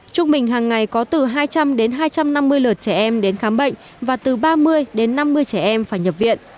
trung bình hàng ngày có từ hai trăm linh đến hai trăm năm mươi lượt trẻ em đến khám bệnh và từ ba mươi đến năm mươi trẻ em phải nhập viện